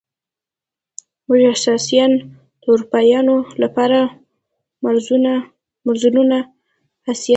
موږ اسیایان د اروپایانو له پاره د مرضونو حیثیت لرو.